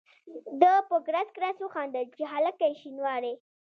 ده په کړس کړس وخندل چې هلکه یې شینواری.